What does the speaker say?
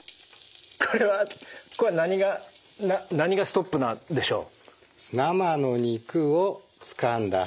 これはこれは何が何がストップなんでしょう？